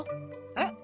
えっ？